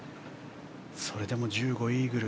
それでも１５はイーグル。